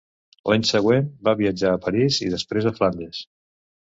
L'any següent va viatjar a París i després a Flandes.